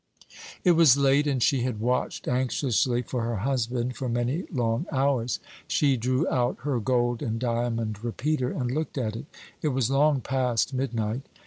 It was late, and she had watched anxiously for her husband for many long hours. She drew out her gold and diamond repeater, and looked at it. It was long past midnight.